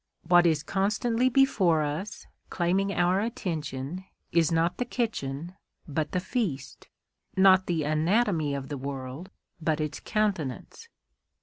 What is constantly before us, claiming our attention, is not the kitchen, but the feast; not the anatomy of the world, but its countenance.